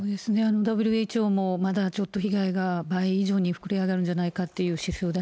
ＷＨＯも、まだちょっと被害が倍以上に膨れ上がるんじゃないかっていう指標